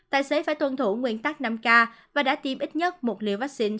tài xế phải tuân thủ nguyên tắc năm k và đã tiêm ít nhất một liều vaccine